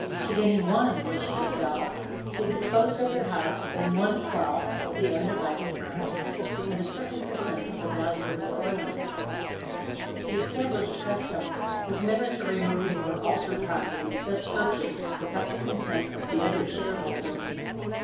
Should any one wish to sell, they disposed of their house and one twelfth of the undivided ground, and a certain per cent. of the value of its ornaments. The established custom was never to remove or alter property thus purchased without the consent of the other shareholders.